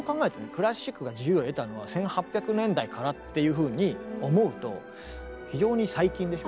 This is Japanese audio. クラシックが自由を得たのは１８００年代からっていうふうに思うと非常に最近でしょ。